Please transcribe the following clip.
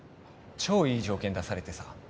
超いい条件出されてさ